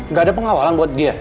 nggak ada pengawalan buat dia